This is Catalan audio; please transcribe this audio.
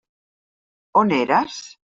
On eres?